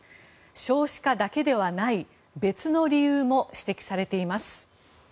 少子化だけではない別の理由も指摘されています。